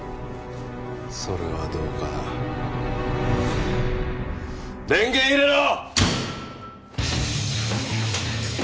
それはどうかな電源入れろ！